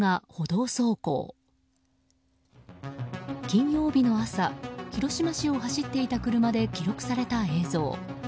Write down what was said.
金曜日の朝広島市を走っていた車で記録された映像。